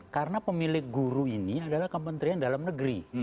karena pemilik guru ini adalah kementerian dalam negeri